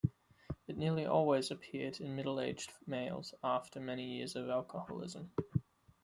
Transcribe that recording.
It nearly always appears in middle-aged males after many years of alcoholism.